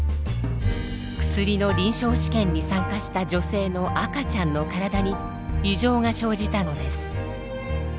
薬の臨床試験に参加した女性の赤ちゃんの体に異常が生じたのです。